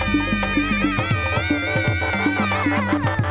mereka akan menjelaskan kekuatan mereka